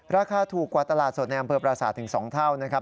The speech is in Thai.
ราคาถูกกว่าตลาดสดในอำเภอปราศาสตร์ถึง๒เท่านะครับ